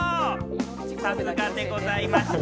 さすがでございました！